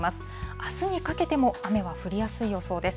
あすにかけても雨は降りやすい予想です。